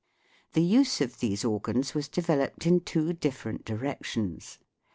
The use of these organs was developed in two different directions.